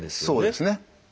そうですね。